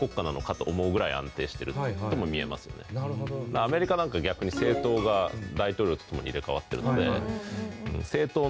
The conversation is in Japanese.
アメリカなんか逆に政党が大統領とともに入れ替わってるので。